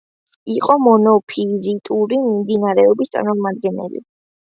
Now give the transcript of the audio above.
იყო მონოფიზიტური მიმდინარეობის წარმომადგენელი.